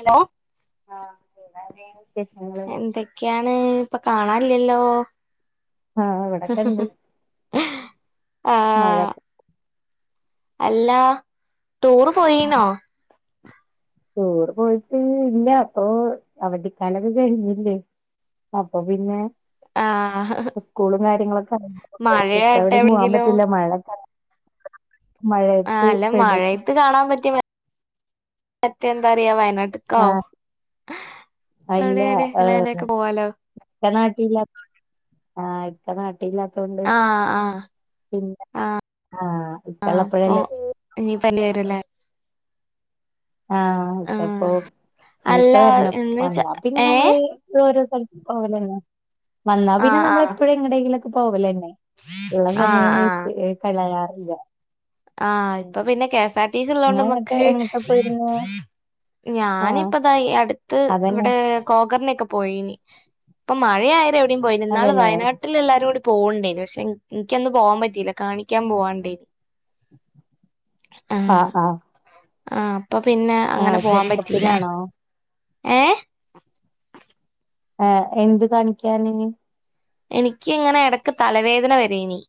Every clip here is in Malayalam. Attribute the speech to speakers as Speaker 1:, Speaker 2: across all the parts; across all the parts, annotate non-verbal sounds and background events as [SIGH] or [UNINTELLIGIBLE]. Speaker 1: ഹലോ
Speaker 2: ആ അ [UNINTELLIGIBLE]
Speaker 1: എന്തൊക്കെയാണ് ഇപ്പൊ കാണാല്ല്യല്ലോ
Speaker 2: ആ ഇവിടക്കെണ്ട് മഴക്കെ
Speaker 1: അല്ലാ ടൂറ് പോയിനോ
Speaker 2: ടൂറ് പോയിട്ട് ഇല്ല ഇപ്പൊ അവധിക്കാലൊക്കെ കഴിഞ്ഞില്ലേ അപ്പൊ പിന്നെ
Speaker 1: ആഹ്
Speaker 2: ഉസ്കൂളും കാര്യങ്ങളൊക്കെ [UNINTELLIGIBLE] പ്പ
Speaker 1: മഴയായിട്ട്
Speaker 2: എവിടെയും പോവാൻ
Speaker 1: എവിടെങ്കിലും
Speaker 2: പറ്റില്ല മഴക്കെ [UNINTELLIGIBLE]
Speaker 1: ആ അല്ല
Speaker 2: പെടും
Speaker 1: മഴയത്ത് കാണാൻ പറ്റി മ മറ്റേന്താറിയ വ [UNINTELLIGIBLE]
Speaker 2: അല്ല ഏർ
Speaker 1: അങ്ങനെയൊക്കെ പോവാലോ
Speaker 2: ച നാട്ടില്ല [UNINTELLIGIBLE] ആ [UNINTELLIGIBLE] ത്തല്ലാത്തോണ്ട്
Speaker 1: ആഹ് ആഹ്
Speaker 2: പിന്നെ ആ ഇത്തള്ളപ്പഴല്ലേ [UNINTELLIGIBLE]
Speaker 1: നീ പനി വരല്ലേ
Speaker 2: ആഹ് അതപ്പോ
Speaker 1: ആഹ്
Speaker 2: ഇനി
Speaker 1: അല്ല
Speaker 2: ഇക്കാരണം
Speaker 1: എന്ന് ച
Speaker 2: വന്ന പിന്നെ
Speaker 1: ഏഹ്
Speaker 2: നമ്മള് ഓരോ സ്ഥലത്ത് പോകലന്നെ വന്നാൽ പിന്നെ
Speaker 1: ആഹ്
Speaker 2: നമ്മള്
Speaker 1: ആഹ്
Speaker 2: എപ്പോഴും എങ്ങടെങ്കിലൊക്കെ പോകലന്നെ ഉള്ള
Speaker 1: ആഹ്
Speaker 2: സമയം വേസ്റ്റ് കളയാറില്ല
Speaker 1: ആ
Speaker 2: ഉം
Speaker 1: ഇപ്പൊ പിന്നെ
Speaker 2: നിങ്ങളെങ്ങട്ട്
Speaker 1: കെസാർടീസിള്ളോണ്ട്മ്മക്ക്
Speaker 2: എങ്ങട്ടാ പോയിരുന്നെ ആഹ്
Speaker 1: ഞാനിപ്പതാ ഈ അടുത്ത്
Speaker 2: അതന്നെ
Speaker 1: ഇവിടെ കോഗറിനൊക്കെ പോയിന് ഇപ്പൊ മഴയായത് എവിടെയും പോയില്ല ഇന്നാള്
Speaker 2: അതെല്ലേ
Speaker 1: വയനാട്ടിൽ എല്ലാരും കൂടി പോകണ്ടേ പക്ഷെ എനിക്കന്നും പോവാൻ പറ്റിയില്ല കാണിക്കാൻ പോവാണ്ടേന്
Speaker 2: ആഹ് ആഹ്
Speaker 1: ആഹ് അപ്പൊ പിന്നെ അങ്ങനെ
Speaker 2: ആഹ്
Speaker 1: പോവാൻ പറ്റില്ല
Speaker 2: ചെക്കപ്പിനാണോ
Speaker 1: ഏഹ്
Speaker 2: ഏ എന്ത് കാണിക്കാന്
Speaker 1: എനിക്ക് ഇങ്ങനെ എടക്ക് തലവേദന വരേനി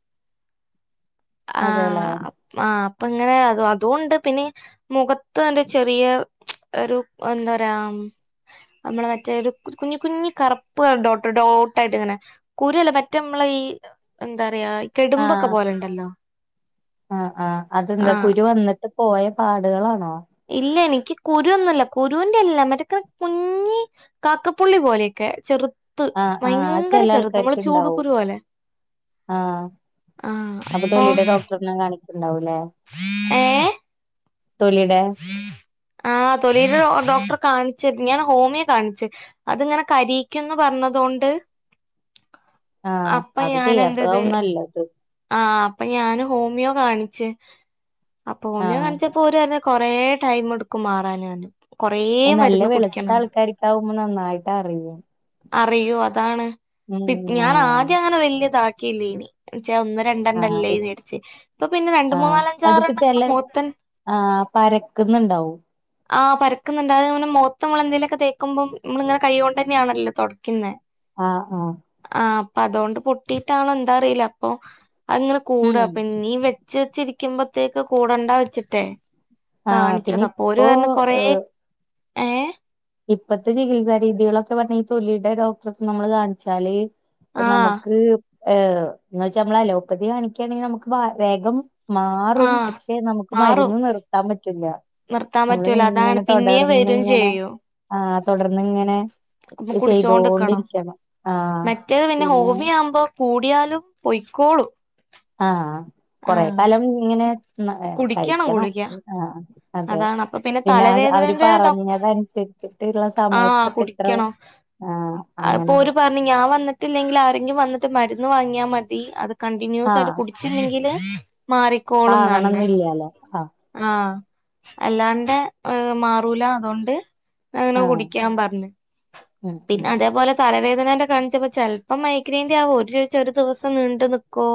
Speaker 2: അതെല്ലേ
Speaker 1: ആഹ് ആഹ് അപ്പ ഇങ്ങനെ അ അതുകൊണ്ട് പിന്നെ മുഖത്ത് എന്റെ ചെറിയ ഒരു യെന്ത പറയാ നമ്മളെ മറ്റേ ഒരു കുഞ്ഞി കുഞ്ഞി കറുപ്പ് ഡോ ഡോട്ടായിട്ട് ഇങ്ങനെ കുരുഅല്ല മറ്റേ നമ്മള ഈ എന്താപറയാ കെടുമ്പൊക്കെ
Speaker 2: ആഹ്
Speaker 1: പോലെയുണ്ടല്ലോ
Speaker 2: ആഹ് ആഹ് അതെന്താ കുരു വന്നിട്ട് പോയ പാടുകളാണോ
Speaker 1: ഇല്ലേനിക് ക്ക് കുരുഒന്നുവല്ല കുരുവിന്റെയല്ല മറ്റേ കുഞ്ഞി കാക്കപ്പുള്ളി പോലെയൊക്കെ ചെറു പ്പ്
Speaker 2: ആഹ് ആഹ് അത്
Speaker 1: ഭയങ്കര
Speaker 2: ചെല
Speaker 1: ചെറുത് ഞമ്മ്ളെ
Speaker 2: ആൾക്കാർക്ക്
Speaker 1: ചൂടു
Speaker 2: ഇണ്ടാവും
Speaker 1: കുരുപോലെ
Speaker 2: ആഹ് അപ്പൊ തൊലിടെ ഡോക്ടറിനെ കാണിക്കുണ്ടാവൂലെ
Speaker 1: ഏ
Speaker 2: തൊലിടെ
Speaker 1: ആ തൊലിടെ ഡോക്ടറെ കാണിച്ച് ഞാൻ ഹോമിയോ കാണിച്ച് അത്ങ്ങനെ കരീക്കുംന്ന് പറഞ്ഞതൊണ്ട് [UNINTELLIGIBLE]
Speaker 2: ആഹ്
Speaker 1: അപ്പ
Speaker 2: അത്
Speaker 1: ഞാനെന്ത്ചെയ്ത്
Speaker 2: ചെയ്യാത്തതാവും നല്ലത്
Speaker 1: ആഹ് അപ്പൊ ഞാൻ ഹോമിയോ കാണിച്ച് അപ്പൊ ഹോമിയോ
Speaker 2: ആഹ്
Speaker 1: കാണിച്ചപ്പോ ഓര് [UNINTELLIGIBLE] കൊറേ ടൈം എടുക്കും മാറാന് കൊറേ
Speaker 2: നല്ല
Speaker 1: മരുന്ന്
Speaker 2: വെളുത്ത
Speaker 1: കുടിക്കണംന്ന്
Speaker 2: ആൾക്കാർക്കാവുമ്പോ നന്നായിട്ട് അറിയും
Speaker 1: അറിയും അതാണ്
Speaker 2: ഉം
Speaker 1: പി ഞാൻ
Speaker 2: ആഹ്
Speaker 1: ആദ്യം അങ്ങനെ വലിയതാക്കില്ലേനി ച്ചെ ഒന്ന്
Speaker 2: ആഹ്
Speaker 1: രണ്ടണ്ടല്ലേന്ന് വിചാരിച്ച് ഇപ്പൊ പിന്നെ രണ്ട്മൂന്നാലഞ്ചാറണ്ണം അങ്ങനെ മൂഖത്ത്തന്നെ
Speaker 2: ആ പര
Speaker 1: ആഹ് പരക്കുന്നുണ്ട് അത്ങ്ങനെ മൊഖത്ത് നമ്മള് എന്തെലും ഒക്കെ തേക്കുമ്പം മ്മള്ങ്ങനെ കൈ കൊണ്ട്തന്നെയാണല്ലോ തൊടക്കുന്നേ
Speaker 2: ആഹ് ആഹ്
Speaker 1: ആ അപ്പൊ അതോണ്ട് പൊട്ടിട്ടാണോ എന്താ അറീല അപ്പൊ അതങ്ങനെ കൂട
Speaker 2: ഉം
Speaker 1: പിന്നീം വെച്ച് വെച്ചി രിക്കുംമ്പ ത്തേക്ക് കൂടണ്ട വെച്ചിട്ടെ
Speaker 2: ആഹ് പിന്നെ
Speaker 1: കാണിച്ചത് അപ്പൊ ഓര്
Speaker 2: ഇപ്പോ
Speaker 1: പറഞ്ഞ് കൊറേ
Speaker 2: ഏഹ്
Speaker 1: ഏഹ്
Speaker 2: ഇപ്പത്തെ ചികിത്സാ രീതികളൊക്കെ പറഞ്ഞാ ഈ തൊലീടെ ഡോക്ടർക്ക്‌ നമ്മള് കാണിച്ചാല്
Speaker 1: ആഹ്
Speaker 2: നമുക്ക് ഏ എന്ന് വെച്ചാ നമ്മൾ അലോപ്പതി കാണിക്കയാണെങ്കിൽ നമുക്ക് വേഗം മാറും
Speaker 1: ആഹ്
Speaker 2: പക്ഷെ നമുക്ക്
Speaker 1: മാറും
Speaker 2: മരുന്ന് നിർത്താൻ പറ്റൂല്ല
Speaker 1: നിർത്താൻ പറ്റൂല അതാണ്
Speaker 2: നമ്മള്ങ്ങനെ
Speaker 1: പിന്നേം വരും
Speaker 2: തൊടർന്ന്ങ്ങനെ ആ തൊടർന്ന്ങ്ങനെ
Speaker 1: പ്പൊ കുടിച്ചോണ്ട്ക്കണം
Speaker 2: ആഹ്
Speaker 1: മറ്റേത് പിന്നെ ഹോമിയോആവുമ്പോ കൂടിയാലും പൊയ്ക്കോളും
Speaker 2: ആഹ് കൊറെ
Speaker 1: ആഹ്
Speaker 2: കാലം ഇങ്ങനെ [UNINTELLIGIBLE]
Speaker 1: കുടിക്കണം
Speaker 2: കഴിക്കണം
Speaker 1: ഗുളിക
Speaker 2: അത് ആഹ് അതെ
Speaker 1: അതാണ് അപ്പൊ
Speaker 2: പിന്നെ അവ അവര്
Speaker 1: തലവേദനന്റെ ഡോക്ട
Speaker 2: പറഞ്ഞതനുസരിച്ചിട്ട്ള്ള സമയത്തൊക്കെ ഇത്ര ആഹ് അങ്ങനെയുള്ള
Speaker 1: അതിപ്പോര് പറഞ്ഞു ഞാൻ വന്നിട്ടില്ലെങ്കിൽ ആരെങ്കിലും വന്നിട്ട് മരു മരുന്ന് വാങ്ങിയാമതി അത് കണ്ടിന്യൂസായിട്ട്
Speaker 2: ആഹ്
Speaker 1: കുടിച്ചില്ലെങ്കില് മാറിക്കോളുംന്ന് ർഞ്
Speaker 2: കാണണംന്നില്ലാലോ ആഹ്
Speaker 1: ആ അല്ലാണ്ടെ ഏ മാറൂല അതോണ്ട് ങ്ങനെ
Speaker 2: ആഹ്
Speaker 1: കുടിക്കാപർഞ്
Speaker 2: ഉം ഉം
Speaker 1: പിന്നെ അതേപോലെ തലവേദ [UNINTELLIGIBLE] കാണിച്ചപ്പോ ചെലപ്പം മൈഗ്രൈന്റാവും ഓര് ചോയ്ച്ച് ഒരു ദിവസം നീണ്ട് നിക്കോ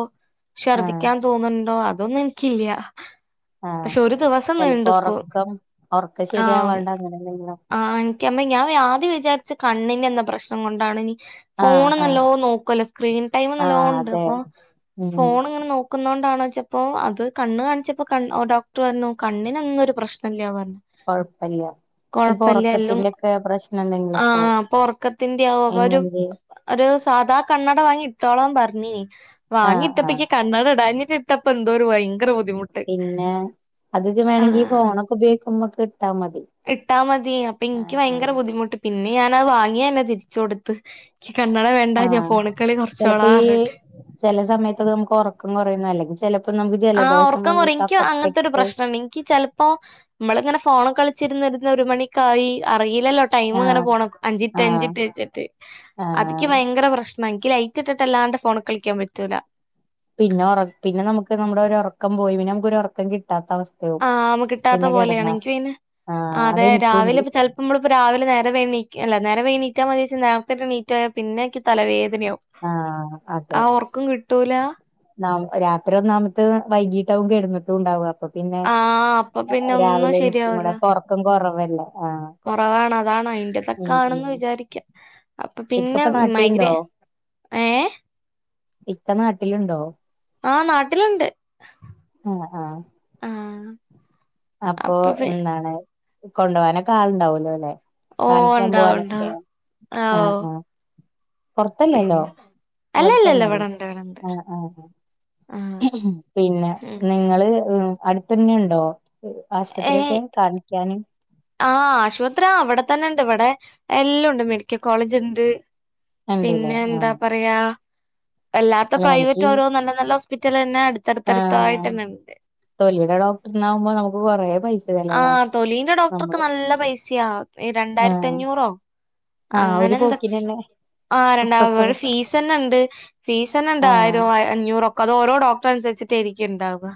Speaker 2: ആഹ്
Speaker 1: ശർദ്ദിക്കാൻ തോന്നുന്നുണ്ടോ അതൊന്നും എനിക്കില്ല
Speaker 2: ആഹ്
Speaker 1: പക്ഷെ ഒരു ദിവസം
Speaker 2: ചെലപ്പോ
Speaker 1: നീണ്ട്നിക്കു
Speaker 2: ഒറക്കം ഒറക്കം
Speaker 1: ആഹ്
Speaker 2: ശരിയാവാണ്ട് അങ്ങനെ എന്തെങ്കിലും
Speaker 1: ആഹ് എനിക്ക ഞാൻ ആദ്യം വിചാരിച്ച് കണ്ണിന്റെ എന്തോ പ്രശ്നം കൊണ്ടാണ് ഇനി
Speaker 2: ആഹ്
Speaker 1: ഫോണ്
Speaker 2: ആഹ്
Speaker 1: നല്ലോനോക്കല്ലോ സ്ക്രീൻ ടൈം
Speaker 2: ആഹ്
Speaker 1: നല്ലോണ്ട്
Speaker 2: അതെ
Speaker 1: അപ്പൊ
Speaker 2: ഉം
Speaker 1: ഫോണ്ങ്ങനെ നോക്കുന്നോ ണ ച്ചപ്പോ അത് കണ്ണ് കാണിച്ചപ്പോ ഡോക്ടർ പറഞ്ഞു കണ്ണ്നൊന്നൊരു പ്രശ്നല്ല പറഞ്ഞു
Speaker 2: കൊഴപ്പല്ല ചെലപ്പോ
Speaker 1: കൊഴപ്പല്ല എല്ലും
Speaker 2: ഒറക്കത്തിന്റെക്കെ പ്രശ്നം
Speaker 1: ആ
Speaker 2: എന്തെങ്കിലൊക്കെ ആവും
Speaker 1: പ്പോ ഒറക്കത്തിന്റാവും അതൊരു
Speaker 2: എന്നെങ്കി
Speaker 1: ഒരു സാധാ കണ്ണട വാങ്ങി ഇട്ടോളാം പർഞ്ഞീനി വാങ്ങി
Speaker 2: ആഹ് ആഹ്
Speaker 1: ഇട്ടപ്പക്ക് കണ്ണട ഇടാന് ഇക്കിട്ടപ്പോ എന്തോരു വയങ്കര ബുദ്ധിമുട്ട്
Speaker 2: പിന്നെ അത് വേണെങ്കി
Speaker 1: ആഹ്
Speaker 2: ഫോണൊക്കെ ഉപയോഗിക്കുമ്പക്ക്
Speaker 1: ഇട്ടാ മതി അപ്പൊ ഇൻക്ക് വയങ്കര
Speaker 2: ആഹ്
Speaker 1: ബുദ്ധിമുട്ട് പിന്നെ ഞാനത് വാങ്യെന്നെ തിരിച്ച് കൊടുത്ത് കണ്ണട വേണ്ട ഞാൻ
Speaker 2: ആഹ്
Speaker 1: ഫോണ്ക്കളി കൊർച്ചോളാ ർഞ്ട്ട്
Speaker 2: പ്പം നമ്മക്ക് ഒറക്കം കൊറയ്ണ [UNINTELLIGIBLE]
Speaker 1: ആ ഒറക്കം കൊറയും ഇൻക്ക് അങ്ങൻത്തൊരു പ്രശ്നണ്ട് ഇൻക്ക് ചെൽപ്പോ നമ്മളിങ്ങനെ ഫോണ് കളി ച്ചിരുന്ന് ഒരു മണിക്കായി അ അറില്ലല്ലോ ടൈംങ്ങനെ
Speaker 2: ആഹ്
Speaker 1: പോണത് അഞ്ചിൻറ്റ്
Speaker 2: ആഹ്
Speaker 1: അഞ്ചിൻറ്റ് വെച്ച്ട്ട് അതിക്ക്
Speaker 2: ആഹ്
Speaker 1: ഭയങ്കര പ്രശ്ന ഇൻക്ക് ലൈറ്റ് ഇട്ടിട്ട്ല്ലാണ്ട് ഫോണ് കളിക്കാൻ പറ്റൂല
Speaker 2: ക്കം പോയി നമ്മക്കൊറക്കം കി
Speaker 1: ആ നമ്മ കിട്ടാത്ത പോലെയാണ് ഇൻക്ക് പിന്നെ
Speaker 2: ആഹ്
Speaker 1: അതെ
Speaker 2: അതെനിക്കുണ്ട്
Speaker 1: രാവിലെ ഇപ്പ ചെലപ്പോ നമ്മള്പ്പോ രാവിലെ നേരം വൈകി ണീ അല്ല നേരം വെഗി ണീറ്റാ മതിയോ ചാ നേരത്തെറ്റം ണീറ്റോയ പിന്നെക്ക് തലവേദ
Speaker 2: ആഹ്
Speaker 1: [UNINTELLIGIBLE] ആ
Speaker 2: അതെ
Speaker 1: ഒർക്കം കിട്ടൂല
Speaker 2: രാത്രി ഒന്നാമത്തത് വൈകീട്ടാവും കെടന്ന്ട്ടുണ്ടാവ അപ്പൊ പിന്നെ
Speaker 1: ആഹ് അപ്പൊ പിന്നെ ഒന്നും
Speaker 2: രാവിലെ എണീക്കുമ്പോ
Speaker 1: ശരിയാവൂല
Speaker 2: അപ്പൊറക്കം കൊറവല്ലേ ആ
Speaker 1: കൊറവാണ് അതാണ് അയിന്റെതൊക്കാണ് ന്ന് വിചാരിക്ക അപ്പൊ പിന്നെ
Speaker 2: ഇക്കപ്പൊ നാട്ടിലുണ്ടോ
Speaker 1: മൈഗ്രേ ഏഹ്
Speaker 2: ഇക്ക നാട്ടിലുണ്ടോ
Speaker 1: ആ നാട്ടില്ണ്ട്
Speaker 2: ആഹ് ആഹ്
Speaker 1: ആ
Speaker 2: അപ്പൊ എന്താണ് കൊണ്ടാവാനൊക്കെ ആള്ണ്ടാവല്ലോ ലെ
Speaker 1: ഓഹ്
Speaker 2: കാണിക്കാൻ
Speaker 1: ഉണ്ടാവും
Speaker 2: പോവാനൊക്കെ
Speaker 1: ഉണ്ടാവും ആഹ്
Speaker 2: ആ
Speaker 1: ഓഹ്
Speaker 2: ആ പൊർത്തല്ലല്ലോ
Speaker 1: പിന്നെ
Speaker 2: ഇവിടെ
Speaker 1: അല്ലല്ലല്ല
Speaker 2: തന്നല്ലേ
Speaker 1: ഇവിടെണ്ട് ഇവിടെണ്ട്
Speaker 2: ആ ആ
Speaker 1: ആഹ്
Speaker 2: പിന്നെ
Speaker 1: ഉം
Speaker 2: നിങ്ങള് അടുത്തന്നെണ്ടോ ആശുപത്രിക്കെ കാണിക്കാന്
Speaker 1: ആ ആശുപത്രി അവടെ തന്നെണ്ട് ഇവിടെ എല്ലാംണ്ട് മെഡിക്കൽ കോളേജ് ണ്ട്
Speaker 2: ഉണ്ടല്ലേ
Speaker 1: പിന്നെന്താ
Speaker 2: ആഹ്
Speaker 1: പറയാ അല്ലാത്ത
Speaker 2: അല്ല നമുക്ക്
Speaker 1: പ്രൈവറ്റ്
Speaker 2: ഈ
Speaker 1: ഓരോ നല്ല നല്ല ഹോസ്പിറ്റലെന്നെ
Speaker 2: ആഹ്
Speaker 1: അടുത്തടുത്തായിട്ടെന്നെ ണ്ട്
Speaker 2: തൊലിയുടെ ഡോക്ടറിനാകുമ്പോ നമുക്ക് കൊറെ പൈസ ചെലവാ
Speaker 1: ട്ടർക്ക്
Speaker 2: നമ്മള്
Speaker 1: നല്ല പൈസാ രണ്ടായിരത്തി അഞ്ഞൂറോ
Speaker 2: ആ ഒരു
Speaker 1: അങ്ങനെ എന്ത
Speaker 2: പോക്കിനെന്നെ
Speaker 1: ആ രണ്ട അവടെ ഫീസെന്നെ ണ്ട് ഫീസെന്നെണ്ട്
Speaker 2: ആഹ്
Speaker 1: ആയിരം അഞ്ഞൂറൊക്കെ അത് ഓരോ ഡോക്ടറനുസരിച്ചിട്ടേരിക്കും ണ്ടാവ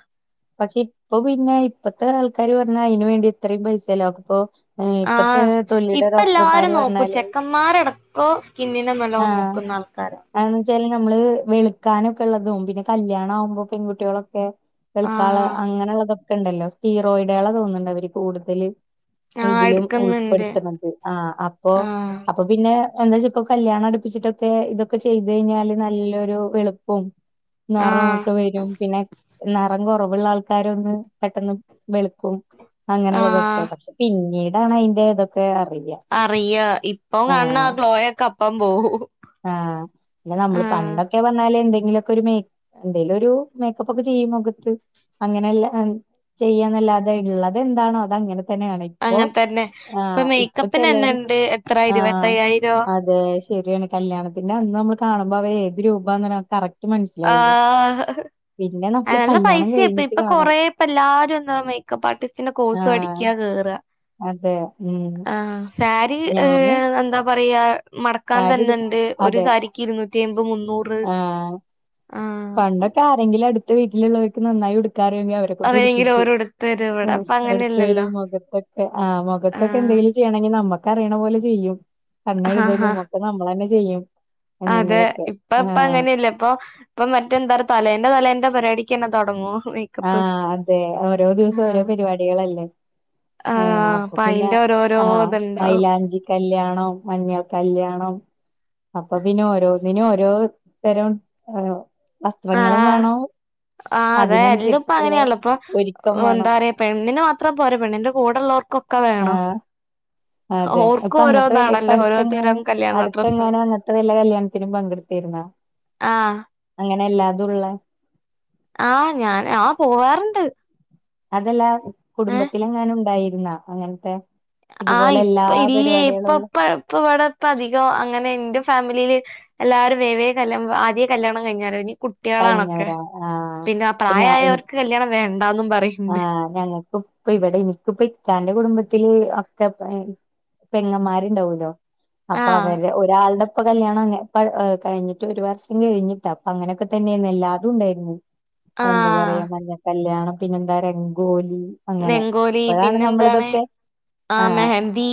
Speaker 2: പക്ഷെ ഇപ്പൊ പിന്നെ ഇപ്പത്തെ ആൾക്കാര് പറഞ്ഞാ അയ്ന് വേണ്ടി ഇത്രേം പൈസ [UNINTELLIGIBLE]
Speaker 1: ആ ഇപ്പെല്ലാരും നോക്കും
Speaker 2: പറഞ്ഞാല്
Speaker 1: ചെക്കന്മാരടക്കം സ്കിന്നിനെ നല്ലോം
Speaker 2: ആഹ്
Speaker 1: നോക്കു ആൾക്കാര
Speaker 2: [UNINTELLIGIBLE] നമ്മള് വെുക്കാനൊക്കെള്ളതും പിന്നെ കല്യാണാകുമ്പോ പെൺകുട്ട്യോളൊക്കെ വെളുക്കാള്ളെ
Speaker 1: ആഹ്
Speaker 2: അങ്ങനെള്ളതൊക്കെണ്ടല്ലോ സ്റ്റീറോയിഡാള തോന്ന്ണ്ട് അവര് കൂടുതല്
Speaker 1: ആഹ്
Speaker 2: ഇതിലും
Speaker 1: എടുക്കുന്നുണ്ട്
Speaker 2: ഉൾപ്പെടുത്തണത് ആ അപ്പൊ
Speaker 1: ആഹ്
Speaker 2: അപ്പൊ പിന്നെ എന്താ വെച്ച ഇപ്പൊ കല്യാണം അടുപ്പിച്ചിട്ടൊക്കെ ഇതൊക്കെ ചെയ്ത് കഴിഞ്ഞാല് നല്ലൊരു വെളുപ്പും
Speaker 1: ആഹ്
Speaker 2: നിറക്കെ വരും പിന്നെ കുറവുള്ള ആൾക്കാര ഒന്ന് പെട്ടെന്ന് വെളുക്കും അങ്ങനുള്ളതൊക്കെ
Speaker 1: ആഹ്
Speaker 2: പക്ഷെ പിന്നീട് താണ് അയ്ന്റെ ഇതൊക്കെ അറിയ
Speaker 1: അറിയ ഇപ്പം കാണണ ക്ലോയൊക്കെ അപ്പം പോവും
Speaker 2: ആ പിന്നെ ഞമ്മള്
Speaker 1: ആഹ്
Speaker 2: പണ്ടൊക്കെ പറഞാല് എന്തെങ്കിലും പ്പൊരു മേ എന്തേലൊരു മേക്കപ്പൊക്കെ ചെയ്യുമ്പോ നമുക്ക് അങ്ങനെല്ല ചെയ്യാന്നല്ലാതെ ഉള്ളത് എന്താണോ അതങ്ങനെ. [UNINTELLIGIBLE] ഇ
Speaker 1: അങ്ങനെ തന്നെ
Speaker 2: ആ ഇപ്പൊ ച
Speaker 1: മേക്കപ്പിന് തന്നെ ഉണ്ട് എത്ര
Speaker 2: ആ
Speaker 1: ഇരുപത്തയ്യായിരോ
Speaker 2: അതെ ശരിയാണ് കല്യാണത്തിന്റെ അന്ന് നമ്മള് കാണുമ്പോ അവ ഏത് രൂപാ കറക്
Speaker 1: ആ
Speaker 2: നമ്മള്
Speaker 1: അല്ല
Speaker 2: കല്യാണം
Speaker 1: പൈസ അപ്പ
Speaker 2: കഴിഞ്ഞിട്ട്
Speaker 1: ഇപ്പൊ
Speaker 2: കാണണം
Speaker 1: കൊറേപ്പ എല്ലാരും എന്താ മേക്കപ്പ് ആർട്ടിസ്റ്റിന്റെ കോഴ്സ്
Speaker 2: ആഹ്
Speaker 1: പഠിക്കാ കേയറുക
Speaker 2: അതെ ഉം
Speaker 1: ആഹ സാരി ഏ
Speaker 2: ഞാന്
Speaker 1: എന്താ പറയാ മറക്കാൻ
Speaker 2: സാരി ഉടുക്കും
Speaker 1: തന്നണ്ട് ഒരു
Speaker 2: അതെ
Speaker 1: സാരിക്ക് ഇരുന്നൂറ്റി അമ്പത് മുന്നൂറ്
Speaker 2: ആഹ്
Speaker 1: ആഹ്
Speaker 2: പണ്ടൊക്കെ ആരെങ്കിലും അടുത്ത വീട്ടിലുള്ളവർക്ക് നന്നായി ഉടുക്കാറങ്ക അവരെ കൊൊണ്ട്
Speaker 1: ആരെങ്കിലും
Speaker 2: ഉടുപ്പിക്കൂ
Speaker 1: ഓരോടുത്ത് തരും ഇവിടെ
Speaker 2: മം
Speaker 1: അപ്പൊ അങ്ങനെയല്ലല്ലോ
Speaker 2: എടുത്തരും മുഖത്തെക്കെ ആ മുഖത്തെക്കെ
Speaker 1: ആഹ്
Speaker 2: എന്തേലും ചെയ്യണെങ്കിൽ നമ്മക്ക് അറിയണപോലെ ചെയ്യും കണ്ണ്
Speaker 1: ആഹ്
Speaker 2: എഴുതലും [UNINTELLIGIBLE] ചെയ്യും
Speaker 1: അതെ ഇപ്പ ഇപ്പ
Speaker 2: ആഹ്
Speaker 1: അങ്ങനെയല്ലേ ഇപ്പോ ഇപ്പം മറ്റെന്താ തലേന്റെ തലേന്റെ പരിപാടി യെക്കെ തൊടങ്ങുവാ
Speaker 2: ആ അതെ ഓരോ ദിവസവും
Speaker 1: ആഹ്
Speaker 2: ഓരോ പരിപാടികളല്ലേ ആ
Speaker 1: ആഹ്
Speaker 2: അപ്പോ
Speaker 1: അപ്പൊ
Speaker 2: പിന്നെ
Speaker 1: അയിന്റെ ഓരോരോ
Speaker 2: ആ
Speaker 1: ഇത്ണ്ടാവും
Speaker 2: മൈലാഞ്ചി കല്യാണം ണം മഞ്ഞൾ കല്യാണം. അപ്പോ പിന്നെ ഓരോനിന്നും ഓരോ തരം ആ വസ്ത്രങ്ങളും
Speaker 1: ആഹ്
Speaker 2: വേണം അതിനനുസരി
Speaker 1: ഇപ്പോ അങ്ങനെയാണല്ലോ ഇപ്പം എന്താ പറയാ പെണ്ണിന് മാത്രം പോരാ പെണ്ണിന്റെ കൂടെയു ള്ളവർക്കൊക്കെ വേണം
Speaker 2: ആഹ് അതെ ഇപ്പോ
Speaker 1: ഓർക്കും
Speaker 2: അങ്ങനത്തെ വലിയ ഇപ്പോ
Speaker 1: ഓരോന്നാണല്ലോ ഓരോത്തരം
Speaker 2: അടുത്തെങ്ങാനും
Speaker 1: കല്യാണ
Speaker 2: അടുത്തെ
Speaker 1: ഡ്രസ്സ്
Speaker 2: ങ്ങാനോ അങ്ങനത്തെ വല്ല കല്യാണത്തിനും പങ്കെടുത്തിരുന്നോ
Speaker 1: ആഹ്
Speaker 2: അങ്ങനെ അല്ലാതുള്ള
Speaker 1: ആ ഞാൻ ആ പോവാറുണ്ട്
Speaker 2: അതല്ലാ കുടുംബത്തിലെങ്ങാനും ഉണ്ടായിരുന്നോ അങ്ങനത്തെ
Speaker 1: ആ
Speaker 2: ഇതുപോലെ എല്ലാ
Speaker 1: ഇപ്പ ഇല്ലയേ ഇപ്പം
Speaker 2: പരിപാടികളും
Speaker 1: ഇപ്പം ഇപ്പം ഇവിടെ ഇപ്പം അധികം അങ്ങനെ എന്റെ ഫാമിലിയില് എല്ലാരും വേവേ കല്യാ ആ ആദ്യമേ കല്യാണം കഴിഞ്ഞാറന്ന് കുട്ടികളാണൊക്കെ
Speaker 2: കഴിഞ്ഞവരാ ആഹ്
Speaker 1: പിന്നെ പ്രായമായവർക്ക് കല്യാണം വേണ്ട
Speaker 2: ആ ഞങ്ങക്ക് ഇപ്പം ഇവിടെ എനിക്കിപ്പോ ഇക്കാന്റെ കുടുംബത്തില് [UNINTELLIGIBLE] പെങ്ങന്മാരുണ്ടാവുല്ലോ അപ്പോ
Speaker 1: ആഹ്
Speaker 2: അവര് ഒരാളടെ ഇപ്പോ കല്യാണം ക കഴിഞ്ഞിട്ട് ഒരു വർഷം കഴിഞ്ഞിട്ട് അപ്പോ അങ്ങനെയെക്കെ തന്നെയായിരുന്നു എല്ലാരും ഉണ്ടായിരുന്നു എന്താ
Speaker 1: ആഹ്
Speaker 2: പറയാ മഞ്ഞ കല്യാണം പിന്നെ എന്താ രംഗോലി അങ്ങനെ അപ്പോഴാണ് നമ്മള് ഇതൊക്കെ
Speaker 1: ആ മെഹന്തി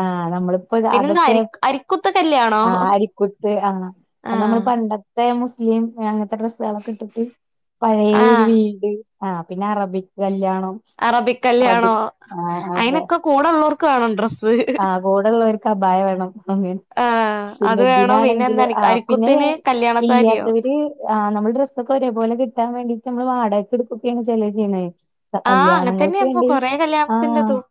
Speaker 2: ആ നമ്മളിപ്പോ ഇത്
Speaker 1: പിന്നെന്താ
Speaker 2: അതൊക്കെ
Speaker 1: അരി അരിക്കുത്തൊക്കല്യാണോ
Speaker 2: ആ അരിക്കുത്ത് ആ അത് നമ്മള്
Speaker 1: ആഹ്
Speaker 2: പണ്ടത്തെ യും അങ്ങനത്തെ ഡ്രസ്സുകളൊക്കെ ഇട്ടിട്ട് പഴയ
Speaker 1: ആഹ്
Speaker 2: ഒരു വീട് ആ പിന്നെ അറബിക്ക് കല്യാണം ണം
Speaker 1: അറബിക് കല്യാണോ
Speaker 2: അറബിക് അതെ
Speaker 1: അയിനൊക്കെ കൂടെ ഉള്ളോർക്ക് വേണം ഡ്രസ്സ്
Speaker 2: ആ കൂടെയുള്ളവര് കബായാ വേണം അതെ
Speaker 1: ആഹ്
Speaker 2: പിന്നെ
Speaker 1: അത് വേണം പിന്നെ
Speaker 2: ഇതിനാണെങ്കില്
Speaker 1: എന്താ
Speaker 2: ആ പിന്നെ
Speaker 1: അരിക്കുത്തിന് കല്യാണ സാരിയോ
Speaker 2: ഇല്ലാത്തവര് ആ നമ്മള് ഡ്രസൊക്കെ ഒരേ പോലെ കിട്ടാൻ വേണ്ടീട്ട് നമ്മള് വാടകക്കെടുക്കൊക്കെയാണ് ചെലര് ചെയ്യണേ
Speaker 1: ആഹ്
Speaker 2: കല്യാണങ്ങൾക്ക്
Speaker 1: അങ്ങൻതന്നെയാ ഇപ്പൊ
Speaker 2: വേണ്ടി
Speaker 1: കൊറേ
Speaker 2: ആ
Speaker 1: കല്യാണത്തിന്റെതും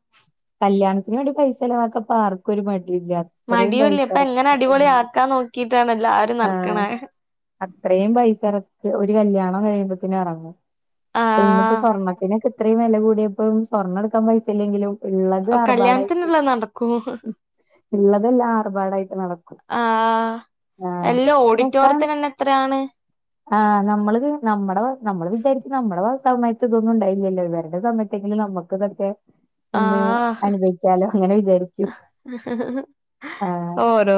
Speaker 2: കല്യാണത്തിന് വേണ്ടി പൈസചെലവാക്കാൻ ഇപ്പോ ആർക്കും ഒരു മടി യുമില്ല അത്രയും
Speaker 1: മടിയൂല്ല
Speaker 2: പൈസ
Speaker 1: ഇപ്പൊ എങ്ങനെ അടിപൊളി
Speaker 2: എറക്കാൻ
Speaker 1: ആക്കാൻ നോക്കിട്ടാണ് എല്ലാരും
Speaker 2: ആ
Speaker 1: നടക്കണേ
Speaker 2: അത്രയും പൈസറക്ക് ഒരു കല്യാണം കഴിയു അപ്പോ പിന്നെ എറങ്ങും ഇന്നിപ്പോ
Speaker 1: ആഹ്
Speaker 2: സ്വർണത്തിന് ഒക്കെ ഇത്രയും വെലകു കൂടിയപ്പം സ്വർണ്ണം എടുക്കാൻ പൈസ ഇല്ലെങ്കിലും ഉള്ളത് ആർഭാടംആയിട്ട്
Speaker 1: കല്യാണത്തിനുള്ളത് നടക്കും
Speaker 2: ഇള്ളതെല്ലാം ആർഭാടായിട്ട് നടക്കും
Speaker 1: ആഹ്
Speaker 2: ആഹ്
Speaker 1: എല്ലാ ഓഡിറ്റോറിയത്തിന് തന്നെ എത്രയാണ്
Speaker 2: ആ നമ്മളത് നമ്മടെ നമ്മള് വിചാരി നമ്മടെ സമയത്ത് ഇതൊന്നും ഉണ്ടായില്ലല്ലോ ഇവരടെ സമയത്തെങ്കിലും നമുക്ക് ഇതൊക്കെ ഒന്ന്
Speaker 1: ആഹ്
Speaker 2: അനുഭവിക്കാലോ അങ്ങനെ വിചാരിക്കും ആ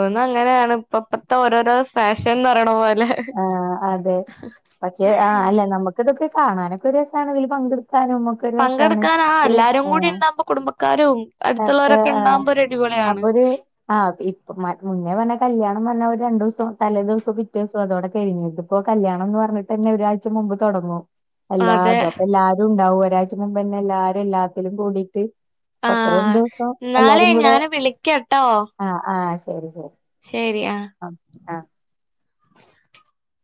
Speaker 1: അന്ന് അങ്ങനെയാണ് ഇപ്പോ ഇപ്പത്തെ ഓരോരോ ഫാഷൻ ന്ന് പറയണ പോലെ
Speaker 2: ആ അതെ പക്ഷേ ആ അല്ലേ നമുക്ക് ഇതൊക്കെ കാണാനൊക്കെ ഒരു രസമാണ് അതില് പങ്കെടുക്ക ക്കാനും നമ്മക്ക് ഒരു രസമാണ്
Speaker 1: പങ്കെടുക്കാൻ ആ എല്ലാരും കൂടി
Speaker 2: [UNINTELLIGIBLE]
Speaker 1: ഉണ്ടാവുമ്പോ കുടുംബക്കാരും
Speaker 2: ആ
Speaker 1: അടുത്തുള്ളവരൊക്കെ
Speaker 2: [UNINTELLIGIBLE]
Speaker 1: ഉണ്ടാവുമ്പോ ഒരു അടിപൊളിയാണ്
Speaker 2: അപ്പോ ഒരു ആ ഇപ്പോ മുന്നേ പറഞ്ഞാ കല്യാണം പറഞ്ഞാ ഒരു രണ്ടു ദിവസം തലേ ദിവസം പിറ്റേ ദിവസം അതോടെ കഴിഞ്ഞു ഇതിപ്പോ കല്യാണം ന്ന് പറഞ്ഞിട്ടന്നെ ഒരാഴ്ച മുമ്പ് തൊടങ്ങും അല്ലാ
Speaker 1: അതെ
Speaker 2: അതൊ എല്ലാരും ഉണ്ടാവും ഒരാഴ്ച്ച മുൻപ് തന്നെ എല്ലാരും എല്ലാത്തിലും കൂടീട്ട് അത്രയും
Speaker 1: ആഹ്
Speaker 2: ദിവസം
Speaker 1: എന്നാലേ
Speaker 2: എല്ലാരും കൂടെ
Speaker 1: ഞാന്
Speaker 2: ആ ആ ശരി ശരി
Speaker 1: ശെരി ആ [UNINTELLIGIBLE]